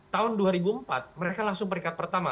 tahun dua ribu empat mereka langsung peringkat pertama